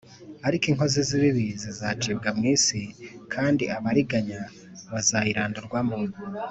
ariko inkozi z’ibibi zizacibwa mu isi, kandi abariganya bazayirandurwamo